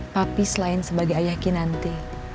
tapi selain sebagai ayah kinanti